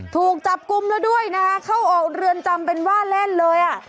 ถูกจับกลุ่มแล้วด้วยนะคะเข้าออกเรือนจำเป็นว่าเล่นเลยอ่ะ